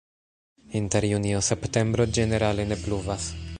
Inter junio-septembro ĝenerale ne pluvas.